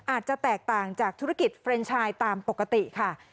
อาจจะแตกต่างจากธุรกิจเฟรนชายตามปกติค่ะ